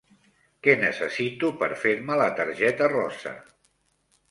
Què necessito per fer-me la targeta rosa?